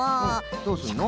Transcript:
どうすんの？